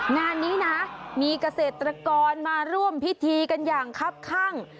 งานนี้นะมีเกษตรกรมาร่วมพิธีกันอย่างครับข้าง